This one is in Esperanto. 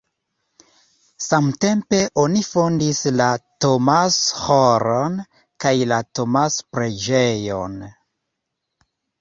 Samtempe oni fondis la Thomas-ĥoron kaj la Thomas-preĝejon.